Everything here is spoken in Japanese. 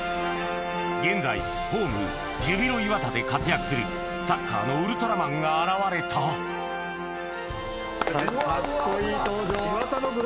現在ホームジュビロ磐田で活躍するサッカーのウルトラマンが現れたカッコいい登場。